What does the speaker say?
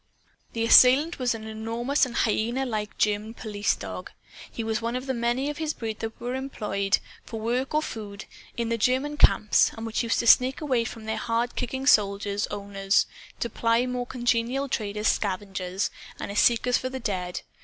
The assailant was an enormous and hyena like German police dog. He was one of the many of his breed that were employed (for work or food) in the German camps, and which used to sneak away from their hard kicking soldier owners to ply a more congenial trade as scavengers, and as seekers for the dead.